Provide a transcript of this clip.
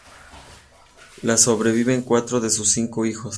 Le sobreviven cuatro de sus cinco hijos.